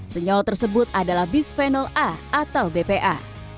senyawa tersebut adalah bisphenol a atau bpa